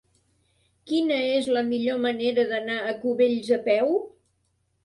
Quina és la millor manera d'anar a Cubells a peu?